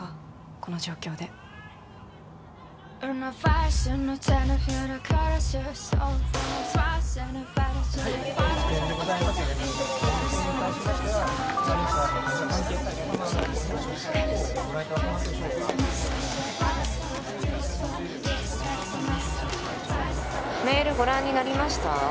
この状況ではいメールご覧になりました？